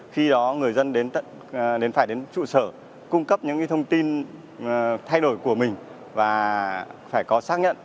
khi đó người dân đến tận phải đến trụ sở cung cấp những thông tin thay đổi của mình và phải có xác nhận